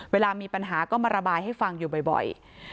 เวลามีปัญหาก็มาระบายให้ฟังอยู่บ่อย